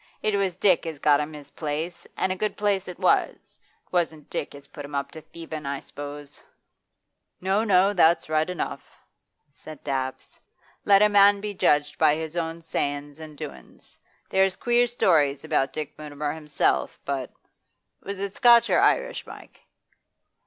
It was Dick as got him his place, an' a good place it was. It wasn't Dick as put him up to thievin', I suppose?' 'No, no, that's right enough,' said Dabbs. 'Let a man be judged by his own sayin's and doin's. There's queer stories about Dick Mutimer himself, but was it Scotch or Irish, Mike?